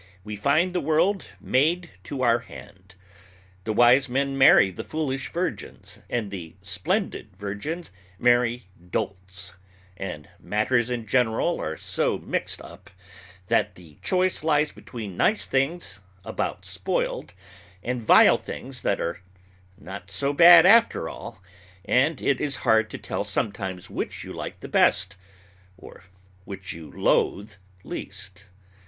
We find the world made to our hand. The wise men marry the foolish virgins, and the splendid virgins marry dolts, and matters in general are so mixed up, that the choice lies between nice things about spoiled, and vile things that are not so bad after all, and it is hard to tell sometimes which you like the best, or which you loathe least.